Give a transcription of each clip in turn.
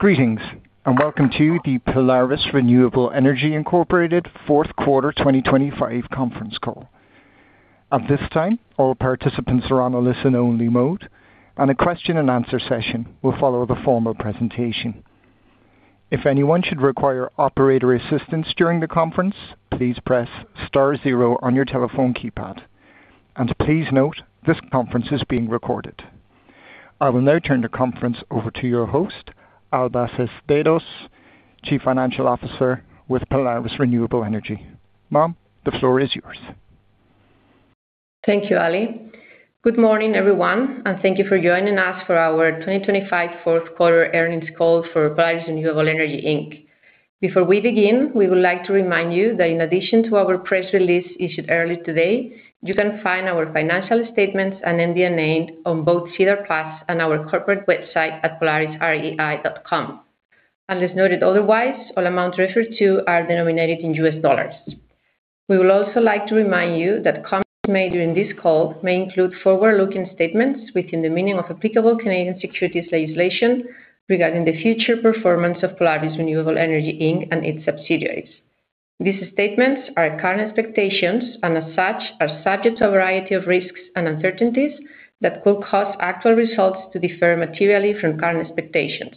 Greetings, and welcome to the Polaris Renewable Energy Incorporated Fourth Quarter 2025 Conference Call. At this time, all participants are on a listen-only mode, and a question and answer session will follow the formal presentation. If anyone should require operator assistance during the conference, please press star zero on your telephone keypad, and please note, this conference is being recorded. I will now turn the conference over to your host, Alba Seisdedos Ballesteros, Chief Financial Officer with Polaris Renewable Energy. Ma'am, the floor is yours. Thank you, Ali. Good morning, everyone, and thank you for joining us for our 2025 fourth quarter earnings call for Polaris Renewable Energy, Inc. Before we begin, we would like to remind you that in addition to our press release issued earlier today, you can find our financial statements and MD&A on both SEDAR+ and our corporate website at polarisrei.com. Unless noted otherwise, all amounts referred to are denominated in U.S. dollars. We would also like to remind you that comments made during this call may include forward-looking statements within the meaning of applicable Canadian securities legislation regarding the future performance of Polaris Renewable Energy, Inc., and its subsidiaries. These statements are current expectations and as such, are subject to a variety of risks and uncertainties that could cause actual results to differ materially from current expectations.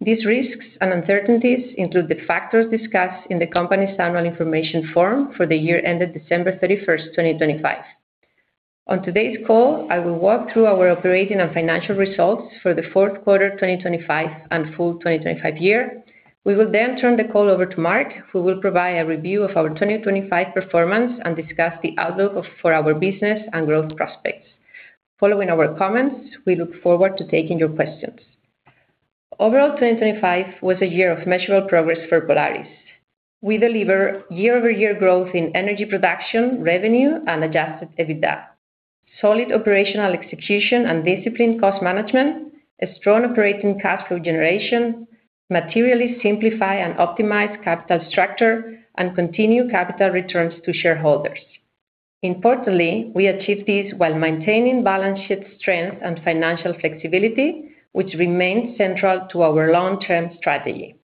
These risks and uncertainties include the factors discussed in the company's annual information form for the year ended December 31st, 2025. On today's call, I will walk through our operating and financial results for the fourth quarter, 2025, and full 2025 year. We will then turn the call over to Marc, who will provide a review of our 2025 performance and discuss the outlook for our business and growth prospects. Following our comments, we look forward to taking your questions. Overall, 2025 was a year of measurable progress for Polaris. We deliver year-over-year growth in energy production, revenue, and Adjusted EBITDA, solid operational execution and disciplined cost management, a strong operating cash flow generation, materially simplify and optimize capital structure, and continue capital returns to shareholders. Importantly, we achieved this while maintaining balance sheet strength and financial flexibility, which remains central to our long-term strategy.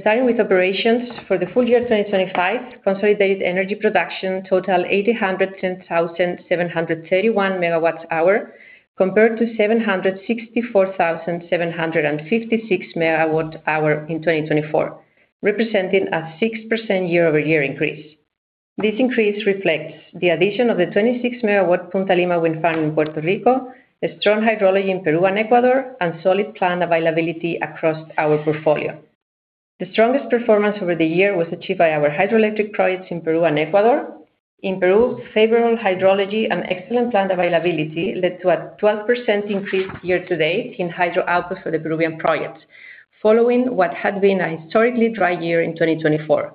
Starting with operations, for the full year 2025, consolidated energy production totaled 810,731 MWh, compared to 764,756 MWh in 2024, representing a 6% year-over-year increase. This increase reflects the addition of the 26-MW Punta Lima Wind Farm in Puerto Rico, a strong hydrology in Peru and Ecuador, and solid plant availability across our portfolio. The strongest performance over the year was achieved by our hydroelectric projects in Peru and Ecuador. In Peru, favorable hydrology and excellent plant availability led to a 12% increase year-to-date in hydro output for the Peruvian projects, following what had been a historically dry year in 2024.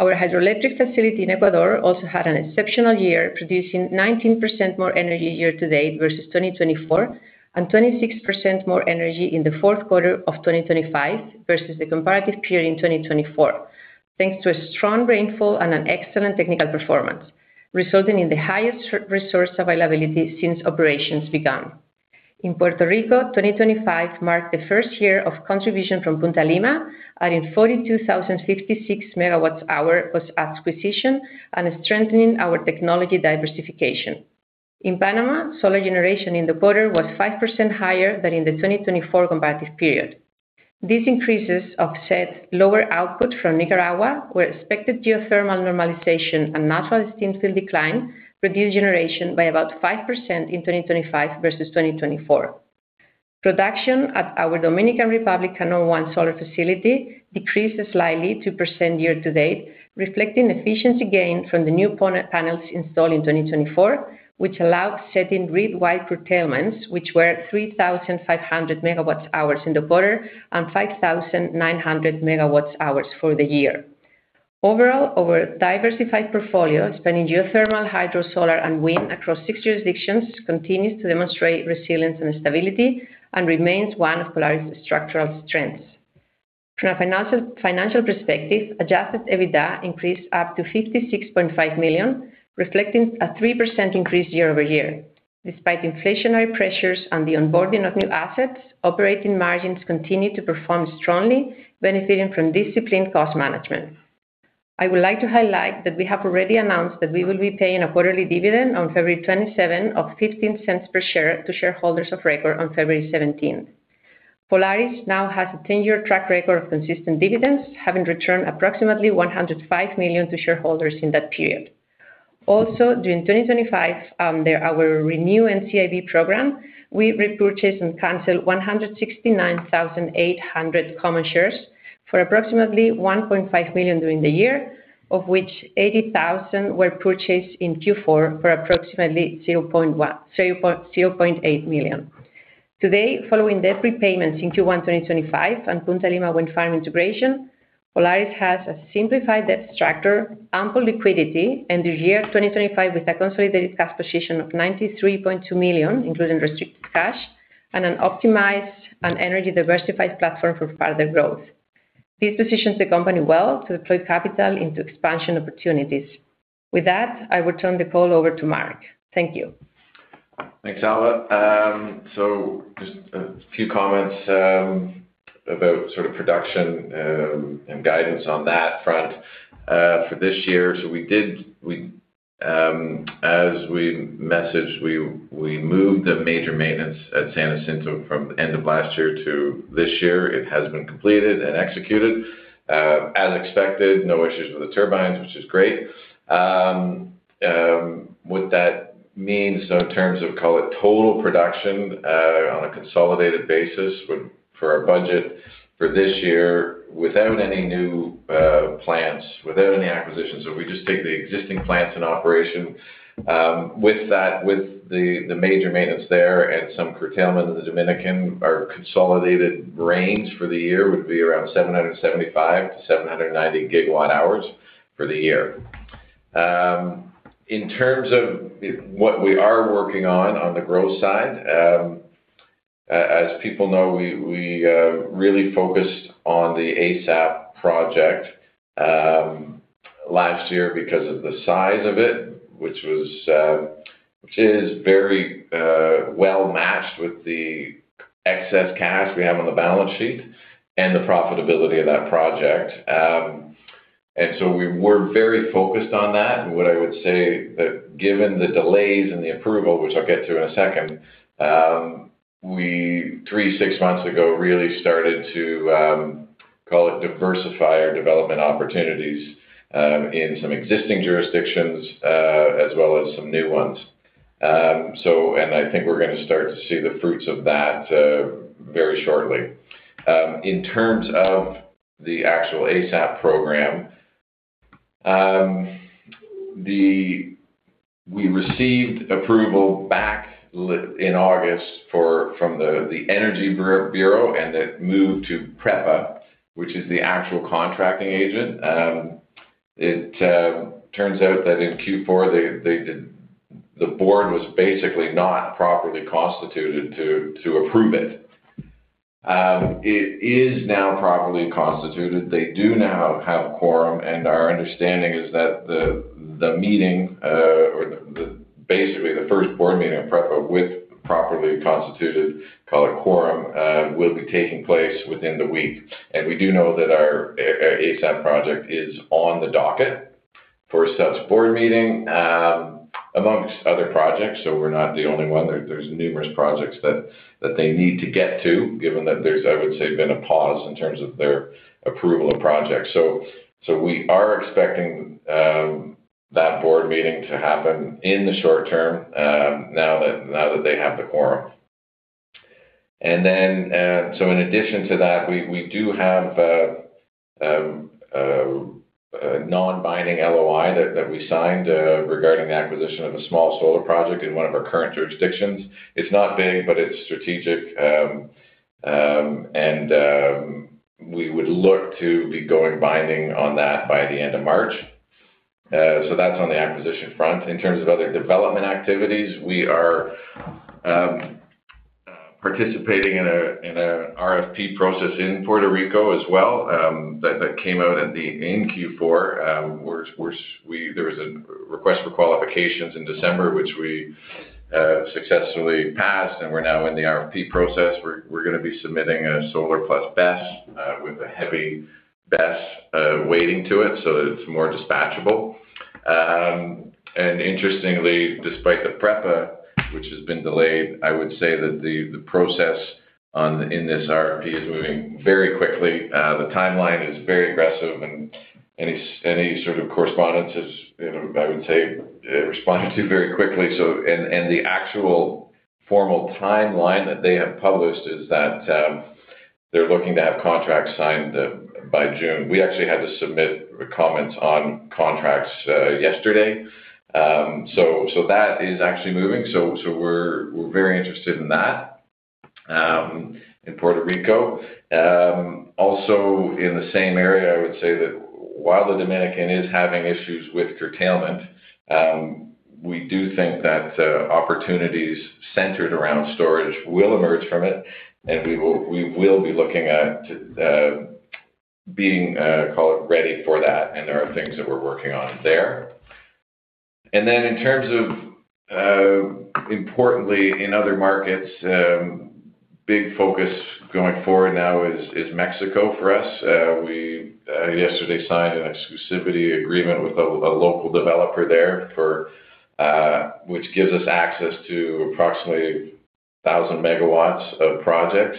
Our hydroelectric facility in Ecuador also had an exceptional year, producing 19% more energy year-to-date versus 2024, and 26% more energy in the fourth quarter of 2025 versus the comparative period in 2024, thanks to a strong rainfall and an excellent technical performance, resulting in the highest resource availability since operations began. In Puerto Rico, 2025 marked the first year of contribution from Punta Lima, adding 42,056 MWh post-acquisition and strengthening our technology diversification. In Panama, solar generation in the quarter was 5% higher than in the 2024 comparative period. These increases offset lower output from Nicaragua, where expected geothermal normalization and natural steam field decline reduced generation by about 5% in 2025 versus 2024. Production at our Dominican Republic Canoa I solar facility decreased slightly 2% year-to-date, reflecting efficiency gains from the new panels installed in 2024, which allowed setting grid-wide curtailments, which were 3,500 MWh in the quarter and 5,900 MWh for the year. Overall, our diversified portfolio, spanning geothermal, hydro, solar, and wind across six jurisdictions, continues to demonstrate resilience and stability and remains one of Polaris' structural strengths. From a financial perspective, adjusted EBITDA increased up to $56.5 million, reflecting a 3% increase year-over-year. Despite inflationary pressures and the onboarding of new assets, operating margins continued to perform strongly, benefiting from disciplined cost management. I would like to highlight that we have already announced that we will be paying a quarterly dividend on February 27 of $0.15 per share to shareholders of record on February 17. Polaris now has a 10-year track record of consistent dividends, having returned approximately $105 million to shareholders in that period. Also, during 2025, under our renewed NCIB program, we repurchased and canceled 169,800 common shares for approximately $1.5 million during the year, of which 80,000 were purchased in Q4 for approximately $0.8 million. Today, following debt prepayments in Q1 2025 and Punta Lima Wind Farm integration, Polaris has a simplified debt structure, ample liquidity, and the enters the year 2025, with a consolidated cash position of $93.2 million, including restricted cash and an optimized and energy diversified platform for further growth. These positions the company well to deploy capital into expansion opportunities. With that, I will turn the call over to Marc. Thank you. Thanks, Alba. So just a few comments about sort of production and guidance on that front for this year. So we, as we messaged, we moved the major maintenance at San Jacinto from end of last year to this year. It has been completed and executed. As expected, no issues with the turbines, which is great. What that means in terms of, call it, total production on a consolidated basis would for our budget for this year, without any new plans, without any acquisitions, so if we just take the existing plants in operation, with that, with the major maintenance there and some curtailment in the Dominican, our consolidated range for the year would be around 775-790 GWh for the year. In terms of what we are working on, on the growth side, as people know, we really focused on the ESS project last year because of the size of it, which was, which is very well matched with the excess cash we have on the balance sheet and the profitability of that project. And so we were very focused on that. And what I would say that given the delays in the approval, which I'll get to in a second, we 3-6 months ago really started to call it diversify our development opportunities in some existing jurisdictions as well as some new ones. So, and I think we're going to start to see the fruits of that very shortly. In terms of the actual ESS program, we received approval back like in August from the Energy Bureau, and it moved to PREPA, which is the actual contracting agent. It turns out that in Q4, the board was basically not properly constituted to approve it. It is now properly constituted. They do now have a quorum, and our understanding is that the meeting, basically, the first board meeting of PREPA with properly constituted, call it, quorum will be taking place within the week. And we do know that our ESS project is on the docket for such board meeting, amongst other projects. So we're not the only one. There, there's numerous projects that they need to get to, given that there's, I would say, been a pause in terms of their approval of projects. So we are expecting that board meeting to happen in the short term, now that they have the quorum. So in addition to that, we do have a non-binding LOI that we signed regarding the acquisition of a small solar project in one of our current jurisdictions. It's not big, but it's strategic. And we would look to be going binding on that by the end of March. So that's on the acquisition front. In terms of other development activities, we are participating in an RFP process in Puerto Rico as well, that came out in Q4, which there was a request for qualifications in December, which we successfully passed, and we're now in the RFP process. We're going to be submitting a solar plus BESS with a heavy BESS weighting to it, so it's more dispatchable. And interestingly, despite the PREPA, which has been delayed, I would say that the process in this RFP is moving very quickly. The timeline is very aggressive, and any sort of correspondence is, you know, I would say, responded to very quickly. So, the actual formal timeline that they have published is that they're looking to have contracts signed by June. We actually had to submit comments on contracts yesterday. So that is actually moving. So we're very interested in that in Puerto Rico. Also in the same area, I would say that while the Dominican is having issues with curtailment, we do think that opportunities centered around storage will emerge from it, and we will be looking at being, call it, ready for that, and there are things that we're working on there. And then in terms of importantly in other markets, big focus going forward now is Mexico for us. We yesterday signed an exclusivity agreement with a local developer there for which gives us access to approximately 1,000 MW of projects.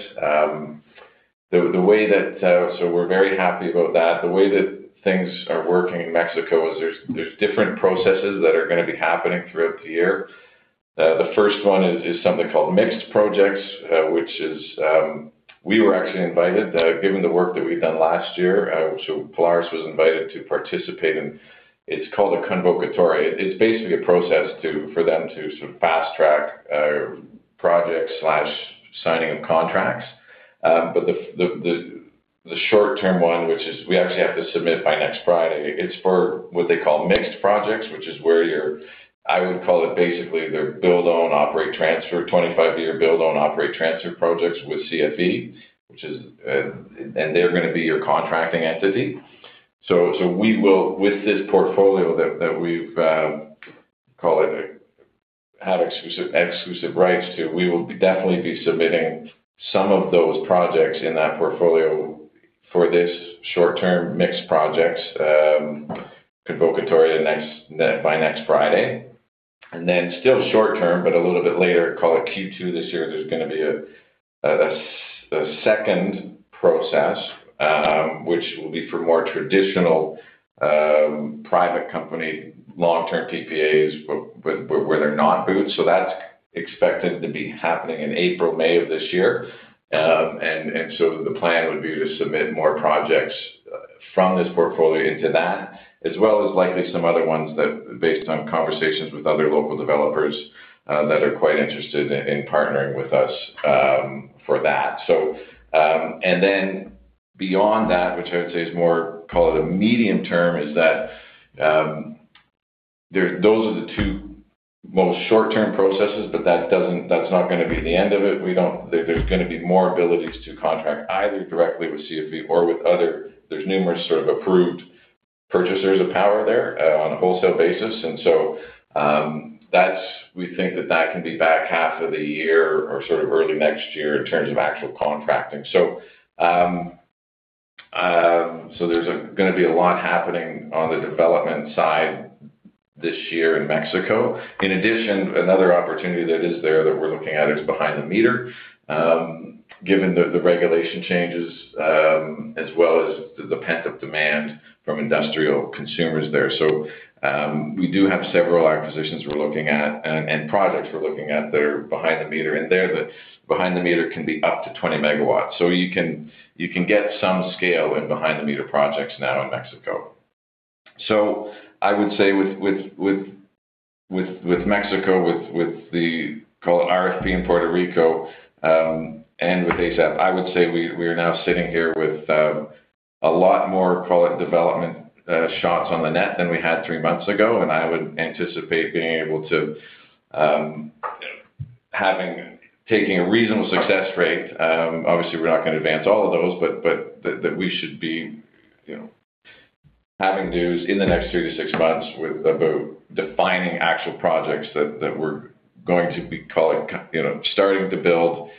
So we're very happy about that. The way that things are working in Mexico is there's, there's different processes that are going to be happening throughout the year. The first one is something called mixed projects, which is, we were actually invited, given the work that we've done last year, so Polaris was invited to participate in, it's called a convocatoria. It's basically a process to, for them to sort of fast track project/signing of contracts. The short-term one, which is we actually have to submit by next Friday, it's for what they call mixed projects, which is where you're, I would call it basically their build, own, operate, transfer, 25-year build, own, operate, transfer projects with CFE, which is, and they're going to be your contracting entity. So, we will with this portfolio that we've call it have exclusive rights to, we will definitely be submitting some of those projects in that portfolio for this short-term mixed projects convocatoria by next Friday. Then still short term, but a little bit later, call it Q2 this year, there's going to be a second process, which will be for more traditional private company long-term PPAs, but where they're not BOOTs. So that's expected to be happening in April, May of this year. And so the plan would be to submit more projects from this portfolio into that, as well as likely some other ones that based on conversations with other local developers that are quite interested in partnering with us for that. So. And then beyond that, which I would say is more, call it a medium term, is that, there, those are the two most short-term processes, but that doesn't, that's not going to be the end of it. There's going to be more abilities to contract, either directly with CFE or with other. There are numerous sort of approved purchasers of power there, on a wholesale basis. And so, that's we think that that can be back half of the year or sort of early next year in terms of actual contracting. So, so there's going to be a lot happening on the development side this year in Mexico. In addition, another opportunity that is there that we're looking at is behind the meter, given the regulation changes, as well as the pent-up demand from industrial consumers there. So, we do have several acquisitions we're looking at and projects we're looking at that are behind the meter, and there, the behind the meter can be up to 20 MW. So you can get some scale in behind the meter projects now in Mexico. So I would say with Mexico, with the call it RFP in Puerto Rico, and with ESS, I would say we are now sitting here with a lot more call it development shots on the net than we had three months ago, and I would anticipate being able to having taking a reasonable success rate. Obviously, we're not going to advance all of those, but, but that we should be, you know, having news in the next 3-6 months with, about defining actual projects that, that we're going to be, call it, you know, starting to build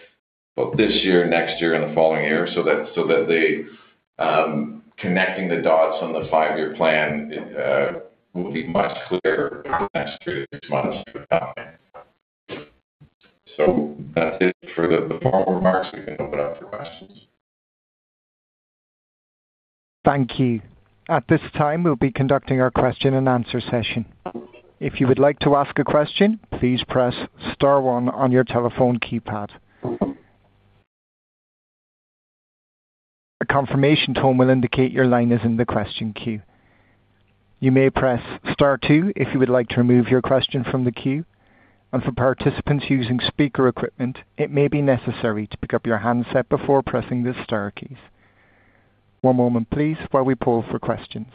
both this year, next year and the following year, so that, so that the, connecting the dots on the five-year plan, will be much clearer next 3-6 months. So that's it for the forward remarks. We can open up for questions. Thank you. At this time, we'll be conducting our question-and-answer session. If you would like to ask a question, please press star one on your telephone keypad. A confirmation tone will indicate your line is in the question queue. You may press star two if you would like to remove your question from the queue. For participants using speaker equipment, it may be necessary to pick up your handset before pressing the star keys. One moment, please, while we pull for questions.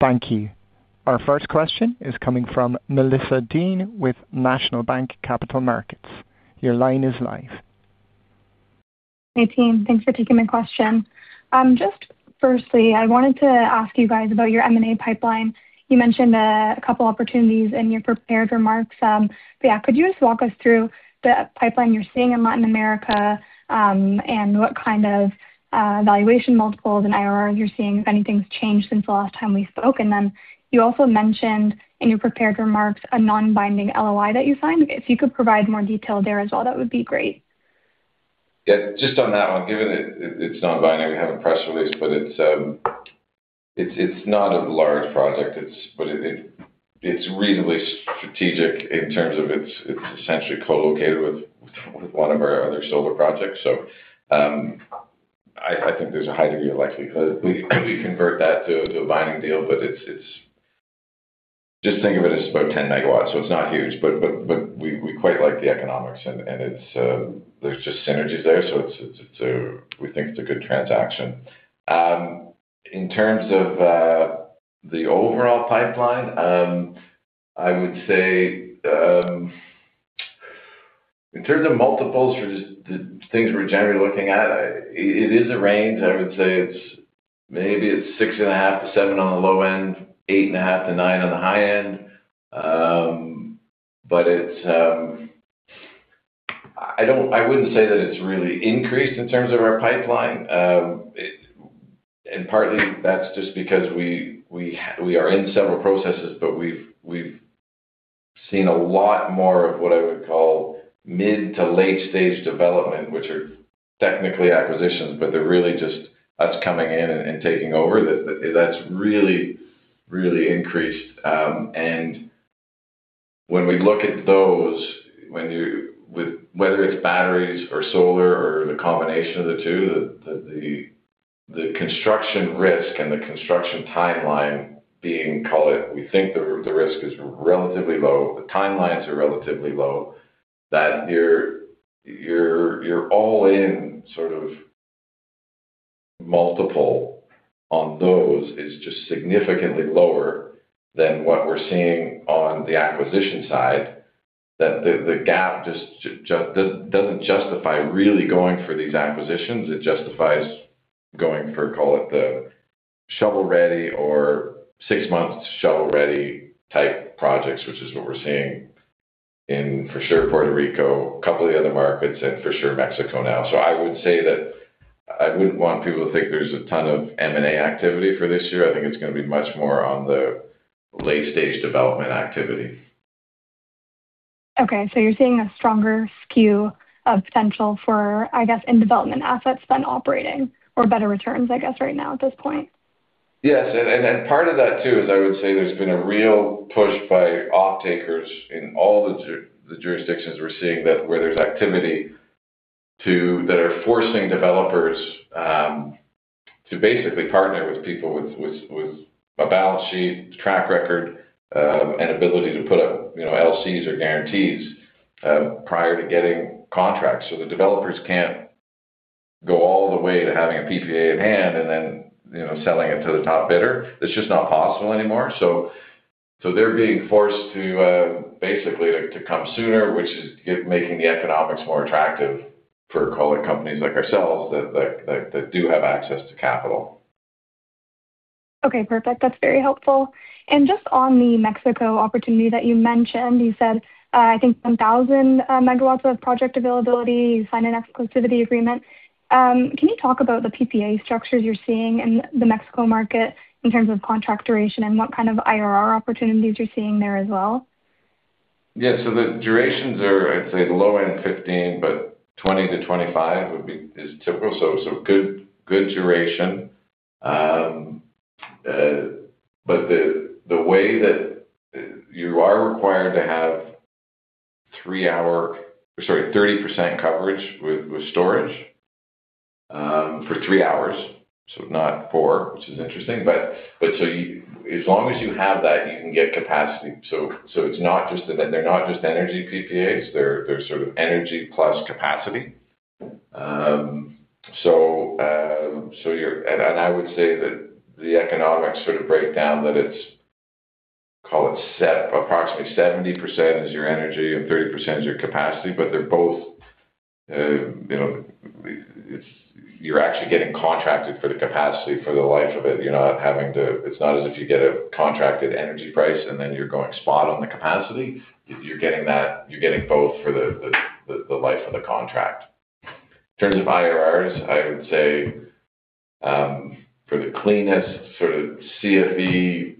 Thank you. Our first question is coming from Melissa Dean with National Bank Capital Markets. Your line is live. Hey, team. Thanks for taking my question. Just firstly, I wanted to ask you guys about your M&A pipeline. You mentioned a couple opportunities in your prepared remarks. But, yeah, could you just walk us through the pipeline you're seeing in Latin America, and what kind of valuation multiples and IRR you're seeing, if anything's changed since the last time we spoke? And then you also mentioned in your prepared remarks a non-binding LOI that you signed. If you could provide more detail there as well, that would be great. Yeah, just on that one, given that it, it's non-binding, we have a press release, but it's, it's not a large project. It's. But it, it, it's reasonably strategic in terms of it's, it's essentially co-located with, with one of our other solar projects. So, I think there's a high degree of likelihood we convert that to a binding deal, but it's. Just think of it as about 10 MW, so it's not huge. But we quite like the economics, and it's, there's just synergies there. So it's a, we think it's a good transaction. In terms of the overall pipeline, I would say, in terms of multiples for the things we're generally looking at, I. It is a range. I would say it's maybe 6.5-7 on the low end, 8.5-9 on the high end. But it's, I wouldn't say that it's really increased in terms of our pipeline. And partly that's just because we are in several processes, but we've seen a lot more of what I would call mid to late stage development, which are technically acquisitions, but they're really just us coming in and taking over. That's really increased. And when we look at those, whether it's batteries or solar or the combination of the two, the construction risk and the construction timeline being, call it, we think the risk is relatively low, the timelines are relatively low, that you're all in sort of. Multiple on those is just significantly lower than what we're seeing on the acquisition side, that the gap just doesn't justify really going for these acquisitions. It justifies going for, call it, the shovel-ready or six-month shovel-ready type projects, which is what we're seeing in, for sure, Puerto Rico, a couple of the other markets, and for sure Mexico now. So I would say that I wouldn't want people to think there's a ton of M&A activity for this year. I think it's gonna be much more on the late-stage development activity. Okay, so you're seeing a stronger skew of potential for, I guess, in development assets than operating or better returns, I guess, right now at this point? Yes, part of that, too, is I would say there's been a real push by off-takers in all the jurisdictions we're seeing that where there's activity to that are forcing developers to basically partner with people with a balance sheet, track record, and ability to put up, you know, LCs or guarantees prior to getting contracts. So the developers can't go all the way to having a PPA at hand and then, you know, selling it to the top bidder. It's just not possible anymore. So they're being forced to basically to come sooner, which is making the economics more attractive for call it, companies like ourselves that do have access to capital. Okay, perfect. That's very helpful. Just on the Mexico opportunity that you mentioned, you said, I think 1,000 MW of project availability. You signed an exclusivity agreement. Can you talk about the PPA structures you're seeing in the Mexico market in terms of contract duration and what kind of IRR opportunities you're seeing there as well? Yeah. So the durations are, I'd say, the low end 15, but 20-25 would be, is typical. So, so good, good duration. But the, the way that you are required to have three-hour. Sorry, 30% coverage with, with storage, for three hours, so not four, which is interesting. But, but so you, as long as you have that, you can get capacity. So, so it's not just that they're not just energy PPAs, they're, they're sort of energy plus capacity. So, so you're. And, and I would say that the economics sort of break down, that it's, call it set. Approximately 70% is your energy and 30% is your capacity, but they're both, you know, it's you're actually getting contracted for the capacity for the life of it. You're not having to. It's not as if you get a contracted energy price and then you're going spot on the capacity. You're getting that, you're getting both for the life of the contract. In terms of IRRs, I would say for the cleanest sort of CFE,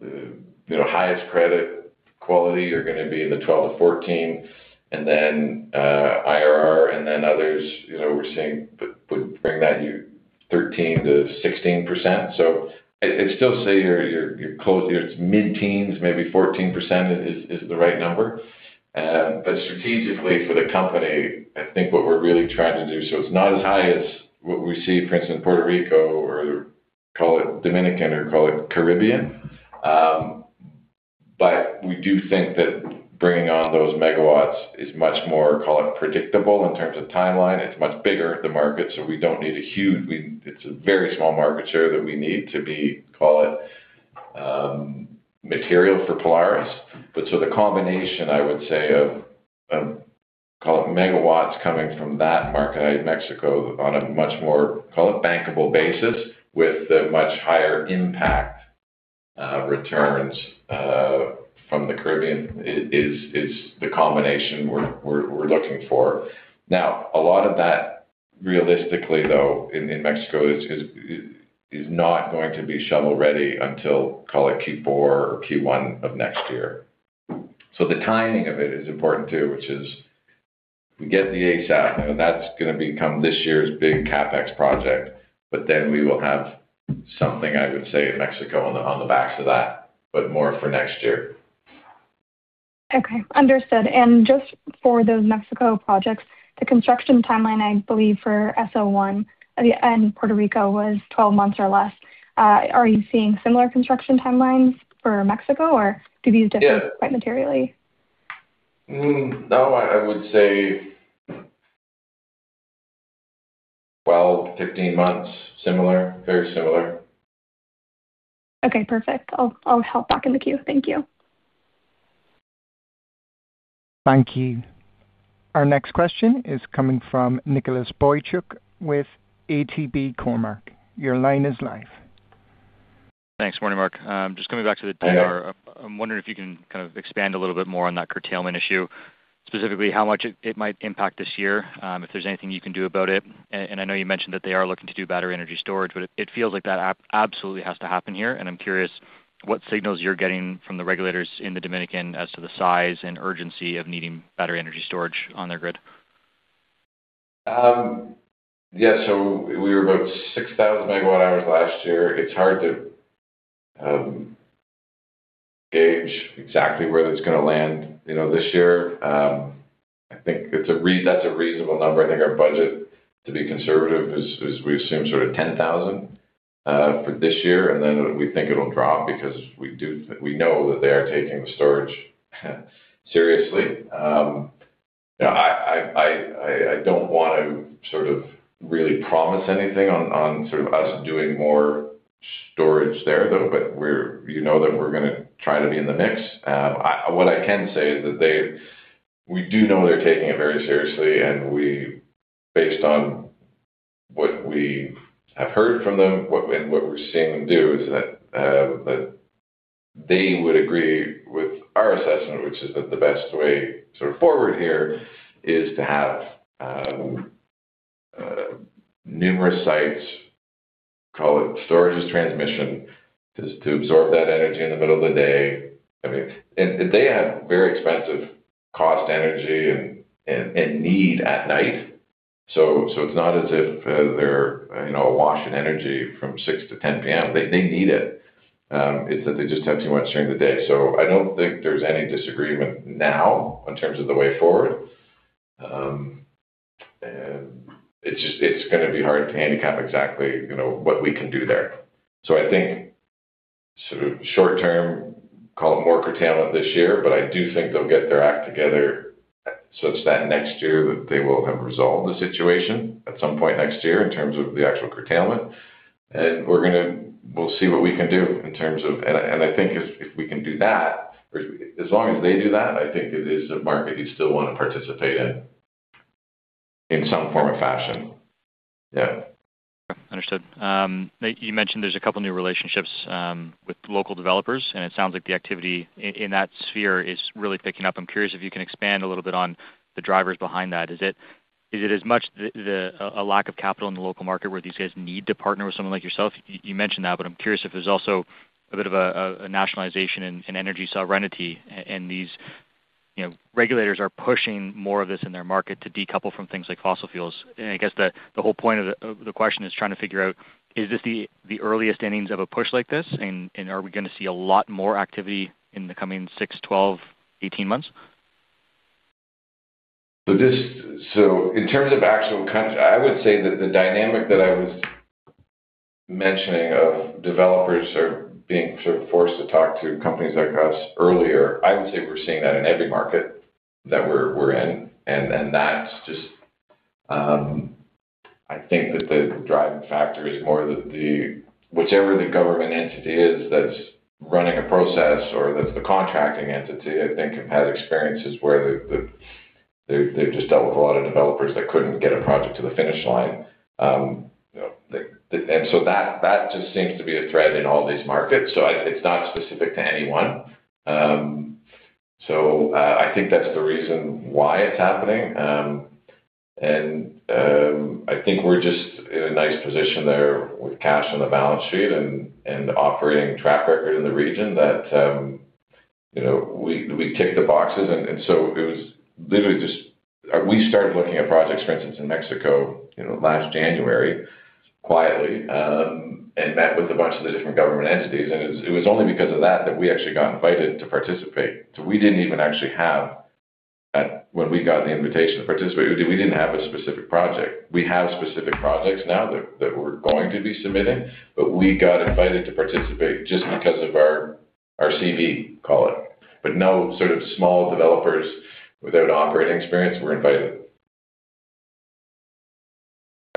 you know, highest credit quality, you're gonna be in the 12-14, and then IRR and then others, you know, we're seeing would bring that to you 13%-16%. So I'd still say you're close, it's mid-teens, maybe 14% is the right number. But strategically for the company, I think what we're really trying to do, so it's not as high as what we see, for instance, in Puerto Rico or call it Dominican or call it Caribbean. But we do think that bringing on those megawatts is much more, call it, predictable in terms of timeline. It's much bigger, the market, so we don't need a huge. It's a very small market share that we need to be, call it, material for Polaris. But so the combination, I would say, of call it, megawatts coming from that market, Mexico, on a much more, call it, bankable basis with the much higher impact returns from the Caribbean, is the combination we're looking for. Now, a lot of that, realistically, though, in Mexico, is not going to be shovel-ready until, call it Q4 or Q1 of next year. So the timing of it is important too, which is we get the ESS, and that's gonna become this year's big CapEx project, but then we will have something, I would say, in Mexico on the backs of that, but more for next year. Okay, understood. Just for those Mexico projects, the construction timeline, I believe, for SO1 and Puerto Rico was 12 months or less. Are you seeing similar construction timelines for Mexico, or could these- Yeah. be different quite materially? No, I would say 12-15 months. Similar. Very similar. Okay, perfect. I'll hop back in the queue. Thank you. Thank you. Our next question is coming from Nicholas Boychuk with ATB Cormark. Your line is live. Thanks. Morning, Marc. Just coming back to the Dominican. Yeah. I'm wondering if you can kind of expand a little bit more on that curtailment issue, specifically how much it, it might impact this year, if there's anything you can do about it. And I know you mentioned that they are looking to do battery energy storage, but it, it feels like that absolutely has to happen here, and I'm curious what signals you're getting from the regulators in the Dominican as to the size and urgency of needing battery energy storage on their grid. Yeah, so we were about 6,000 MWh last year. It's hard to gauge exactly where that's gonna land, you know, this year. I think it's a, that's a reasonable number. I think our budget, to be conservative, is we assume sort of 10,000 MWh for this year, and then we think it'll drop because we do. We know that they are taking the storage seriously. Yeah, I don't want to sort of really promise anything on sort of us doing more storage there, though, but we're you know that we're gonna try to be in the mix. I. What I can say is that they, we do know they're taking it very seriously, and we, based on what we have heard from them and what we're seeing them do, is that they would agree with our assessment, which is that the best way sort of forward here is to have numerous sites, call it storage is transmission, to absorb that energy in the middle of the day. I mean, and they have very expensive cost energy and need at night. So it's not as if they're, you know, awash in energy from 6 to 10 P.M. They need it. It's that they just have too much during the day. So I don't think there's any disagreement now in terms of the way forward. It's just, it's gonna be hard to handicap exactly, you know, what we can do there. So I think sort of short term, call it more curtailment this year, but I do think they'll get their act together such that next year that they will have resolved the situation at some point next year in terms of the actual curtailment. And we're gonna. We'll see what we can do in terms of- And, and I think if, if we can do that, or as long as they do that, I think it is a market you still wanna participate in, in some form or fashion. Yeah. Understood. You mentioned there's a couple new relationships with local developers, and it sounds like the activity in that sphere is really picking up. I'm curious if you can expand a little bit on the drivers behind that. Is it as much the lack of capital in the local market where these guys need to partner with someone like yourself? You mentioned that, but I'm curious if there's also a bit of a nationalization and energy sovereignty, and these, you know, regulators are pushing more of this in their market to decouple from things like fossil fuels. And I guess the whole point of the question is trying to figure out, is this the earliest innings of a push like this? Are we gonna see a lot more activity in the coming six, 12, 18 months? So in terms of actual count, I would say that the dynamic that I was mentioning of developers are being sort of forced to talk to companies like us earlier, I would say we're seeing that in every market that we're in, and then that's just, I think that the driving factor is more the whichever the government entity is that's running a process or that's the contracting entity, I think has experiences where the they've just dealt with a lot of developers that couldn't get a project to the finish line. You know, and so that just seems to be a thread in all these markets. So it's not specific to anyone. So I think that's the reason why it's happening. I think we're just in a nice position there with cash on the balance sheet and operating track record in the region that, you know, we tick the boxes. And so it was literally just. We started looking at projects, for instance, in Mexico, you know, last January, quietly, and met with a bunch of the different government entities, and it was only because of that that we actually got invited to participate. So we didn't even actually have. When we got the invitation to participate, we didn't have a specific project. We have specific projects now that we're going to be submitting, but we got invited to participate just because of our CV, call it. But no sort of small developers without operating experience were invited.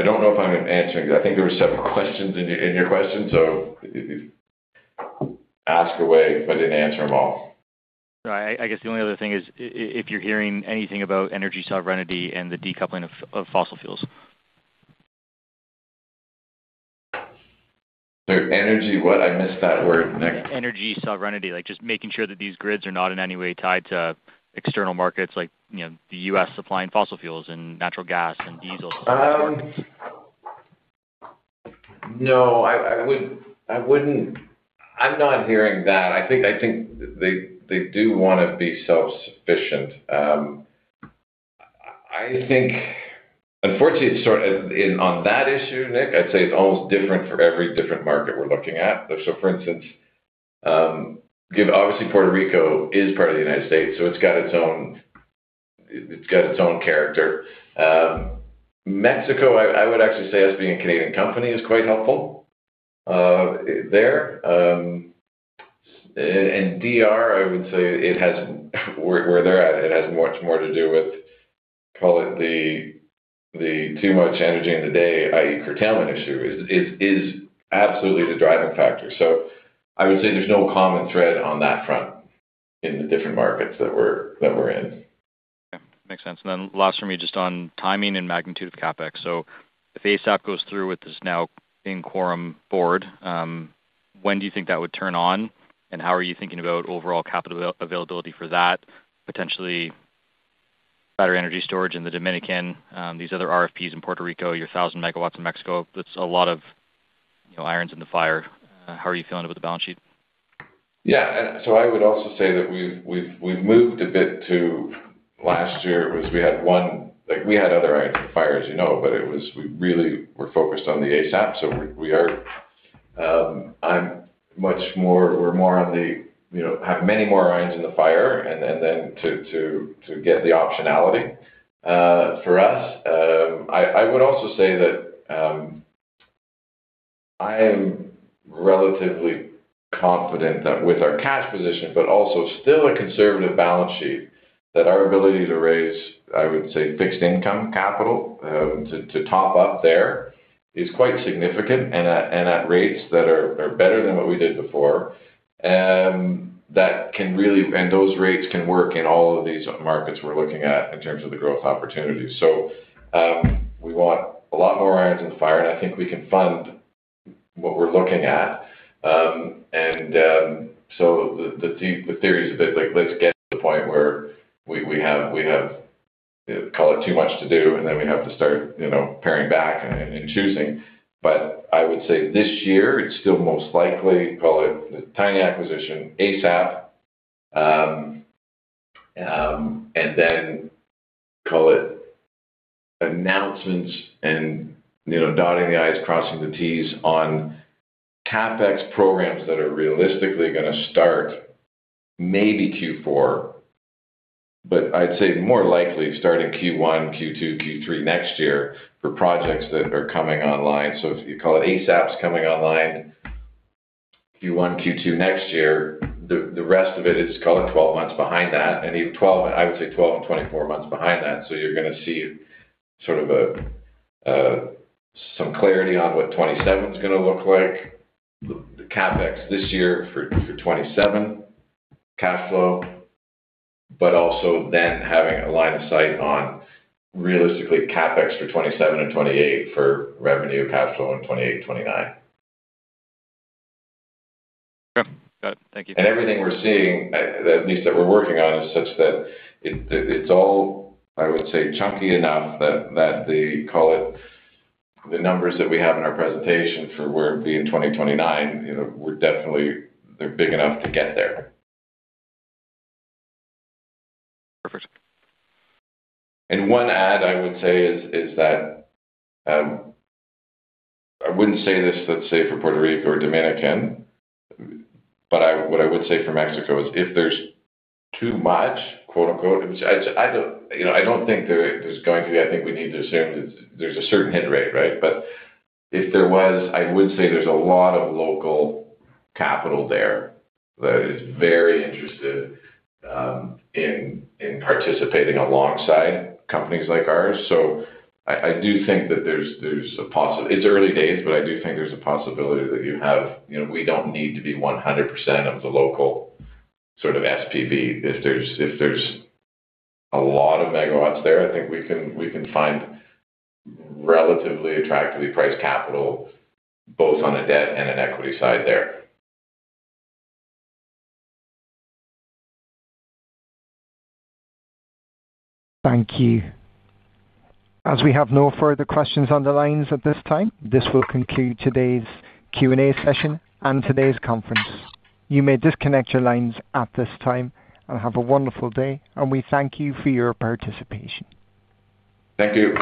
I don't know if I'm answering. I think there were several questions in your, in your question, so ask away if I didn't answer them all. No, I guess the only other thing is if you're hearing anything about energy sovereignty and the decoupling of fossil fuels? Sorry, energy what? I missed that word, Nick. Energy sovereignty. Like, just making sure that these grids are not in any way tied to external markets, like, you know, the U.S. supplying fossil fuels and natural gas and diesel. No, I wouldn't. I'm not hearing that. I think they do want to be self-sufficient. I think unfortunately, it's sort of in, on that issue, Nick, I'd say it's almost different for every different market we're looking at. So, for instance, obviously, Puerto Rico is part of the United States, so it's got its own, it's got its own character. Mexico, I would actually say, us being a Canadian company, is quite helpful, there. And DR, I would say it has, where they're at, it has much more to do with, call it, the too much energy in the day, i.e., curtailment issue, is absolutely the driving factor. So I would say there's no common thread on that front in the different markets that we're in. Makes sense. And then last for me, just on timing and magnitude of CapEx. So if ESS goes through with this now in quorum board, when do you think that would turn on, and how are you thinking about overall capital availability for that, potentially battery energy storage in the Dominican, these other RFPs in Puerto Rico, your 1,000 MW in Mexico? That's a lot of, you know, irons in the fire. How are you feeling about the balance sheet? Yeah. And so I would also say that we've moved a bit to. Last year, it was, we had one, like, we had other irons in the fire, as you know, but it was, we really were focused on the ESS. So we are, I'm much more, we're more on the, you know, have many more irons in the fire and then to get the optionality for us. I would also say that I am relatively confident that with our cash position, but also still a conservative balance sheet, that our ability to raise, I would say, fixed income capital to top up there is quite significant and at rates that are better than what we did before. That can really and those rates can work in all of these markets we're looking at in terms of the growth opportunities. So, we want a lot more irons in the fire, and I think we can fund what we're looking at. So the theory is a bit like, let's get to the point where we have call it too much to do, and then we have to start, you know, paring back and choosing. But I would say this year, it's still most likely, call it a tiny acquisition, ESS. And then call it announcements and, you know, dotting the i's, crossing the t's on CapEx programs that are realistically gonna start maybe Q4, but I'd say more likely starting Q1, Q2, Q3 next year for projects that are coming online. So if you call it ESS coming online, Q1, Q2 next year, the rest of it is call it 12 months behind that, and even 12, I would say 12 and 24 months behind that. So you're gonna see sort of a, some clarity on what 2027 is gonna look like, the CapEx this year for 2027 cash flow, but also then having a line of sight on realistically CapEx for 2027 and 2028, for revenue, cash flow in 2028, 2029. Okay. Got it. Thank you. Everything we're seeing, at least that we're working on, is such that it, it's all, I would say, chunky enough that, that the, call it the numbers that we have in our presentation for where it be in 2029, you know, we're definitely. They're big enough to get there. Perfect. One add I would say is, I wouldn't say this, let's say, for Puerto Rico or Dominican, but what I would say for Mexico is if there's "too much," quote, unquote, which I don't, you know, I don't think there's going to be. I think we need to assume that there's a certain hit rate, right? If there was, I would say there's a lot of local capital there that is very interested in participating alongside companies like ours. I do think that there's a possi, it's early days, but I do think there's a possibility that you have. You know, we don't need to be 100% of the local sort of SPV. If there's a lot of megawatts there, I think we can find relatively attractively priced capital, both on the debt and equity side there. Thank you. As we have no further questions on the lines at this time, this will conclude today's Q&A session and today's conference. You may disconnect your lines at this time and have a wonderful day, and we thank you for your participation. Thank you.